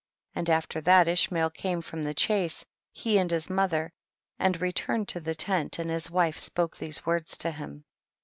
33. And after that Ishmael come from the chase, he and his mother, and returned to the tent, and his wife spoke these words to him.